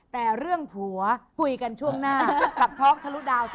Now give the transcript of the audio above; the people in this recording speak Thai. กลุ่มประโยชน์นี่